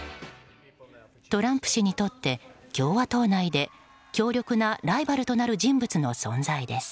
トランプ氏にとって共和党内で強力なライバルとなる人物の存在です。